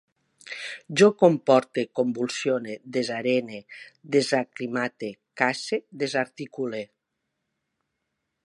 Jo comporte, convulsione, desarene, desaclimate, casse, desarticule